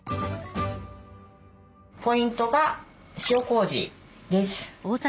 ポイントが塩こうじです。